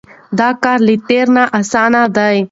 دا کار له تېر نه اسانه دی.